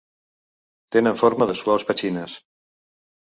Tenen forma de suaus petxines.